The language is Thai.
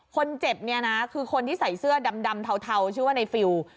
คนเจ็บเนี่ยนะคือคนที่ใส่เสื้อดำเทาชื่อว่าในฟิล